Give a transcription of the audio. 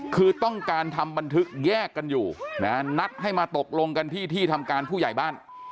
คือต้องการทำบันทึกแยกกันอยู่นะนัดให้มาตกลงกันที่ที่ทำการผู้ใหญ่บ้าน